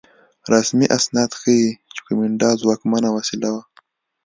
رسمي اسناد ښيي چې کومېنډا ځواکمنه وسیله وه.